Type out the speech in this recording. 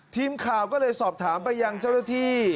ทีมข่าวก็เลยสอบถามไปยังเจ้าหน้าที่